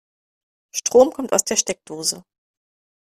Strom kommt aus der Steckdose.